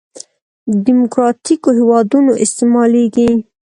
دیموکراتیکو هېوادونو استعمالېږي.